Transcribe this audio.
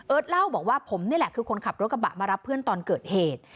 เล่าบอกว่าผมนี่แหละคือคนขับรถกระบะมารับเพื่อนตอนเกิดเหตุ